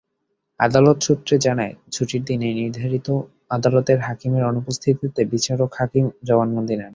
আদালত সূত্র জানায়, ছুটির দিনে নির্ধারিত আদালতের হাকিমের অনুপস্থিতিতে বিচারিক হাকিম জবানবন্দি নেন।